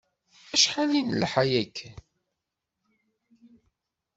Acḥal i d-nelḥa akken.